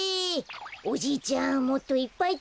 おじいちゃんもっといっぱいつってよ。